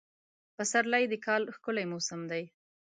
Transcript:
پسرلی د کال ښکلی موسم دی.